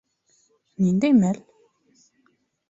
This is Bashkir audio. Ниндәй мәл?